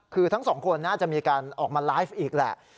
คือทั้งสองคนน่าจะมีการออกมาไลฟ์อีกแหละ